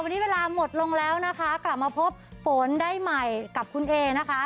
วันนี้เวลาหมดลงแล้วนะคะกลับมาพบฝนได้ใหม่กับคุณเอนะคะ